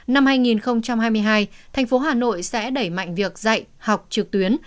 năm hai nghìn hai mươi hai tp hà nội sẽ đẩy mạnh việc dạy học trực tuyến